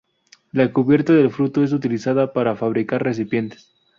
La cubierta del fruto es utilizada para fabricar recipientes.